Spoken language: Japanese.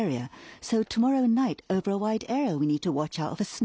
そうなんですね。